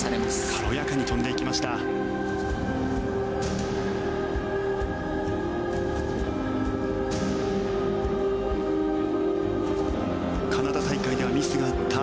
軽やかに跳んでいきました。